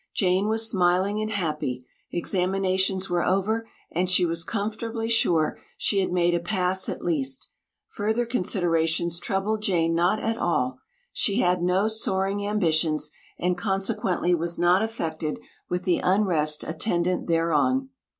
Jane was smiling and happy; examinations were over and she was comfortably sure she had made a pass at least; further considerations troubled Jane not at all; she had no soaring ambitions and consequently was not affected with the unrest attendant thereon.